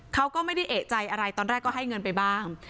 เขาก็ไม่ได้เอกใจอะไรตอนแรกก็ให้เงินไปบ้าง